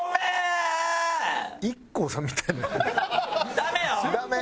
ダメよ！